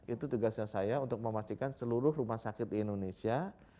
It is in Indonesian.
itu tugasnya saya untuk memastikan seluruh rumah sakit di indonesia